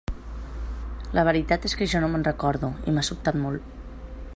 La veritat és que jo no me'n recordo i m'ha sobtat molt.